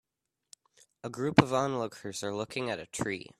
A group of onlookers are looking at a tree.